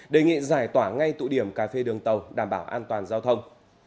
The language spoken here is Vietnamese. đề nghị giải tỏa ngay tụ điểm cà phê đường tàu đảm bảo an toàn giao thông